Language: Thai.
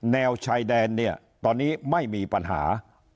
แนวชายแดนเนี่ยตอนนี้ไม่มีปัญหา